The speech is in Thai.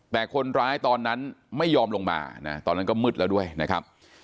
แต่คนร้ายตอนนั้นไม่ยอมลงมานะตอนนั้นก็มืดแล้วด้วยนะครับ